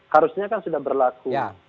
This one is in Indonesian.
harusnya kan sudah berlaku